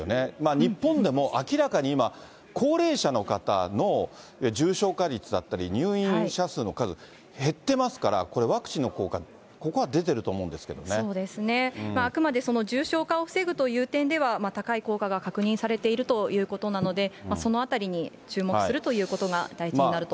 日本でも明らかに今、高齢者の方の重症化率だったり、入院者数の数、減ってますから、ワクチンの効果、そうですね、あくまで重症化を防ぐという点では高い効果が確認されているということなので、そのあたりに注目するということが大事になると思います。